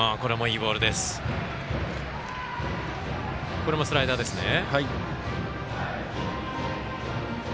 今のもスライダーですね。